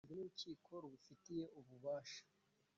Byemejwe n’urukiko rubifitiye ububasha